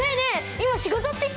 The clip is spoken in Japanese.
今仕事って言った？